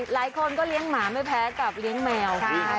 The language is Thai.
หลายคนก็เลี้ยงหมาไม่แพ้กับเลี้ยงแมว